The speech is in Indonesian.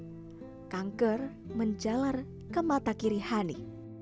proses pencetak kanker menjalar ke mata kiri hani